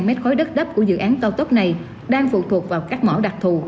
tám trăm linh mét khối đất đắp của dự án to tốc này đang phụ thuộc vào các mỏ đặc thù